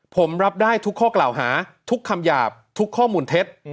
ผมรับได้ทุกข้อกล่าวหาทุกคำหยาบทุกข้อมูลเท็จ